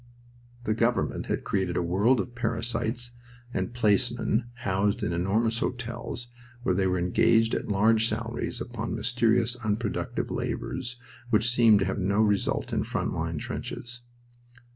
The government had created a world of parasites and placemen housed in enormous hotels, where they were engaged at large salaries upon mysterious unproductive labors which seemed to have no result in front line trenches.